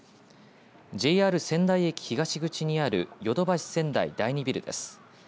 ＪＲ仙台駅東口にあるヨドバシ仙台第２ビルです。